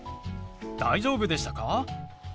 大丈夫でしたか？